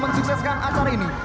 mensukseskan acara ini